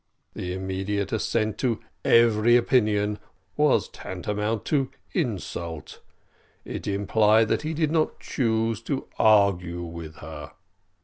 The immediate assent to every opinion was tantamount to insult; it implied that he did not choose to argue with her.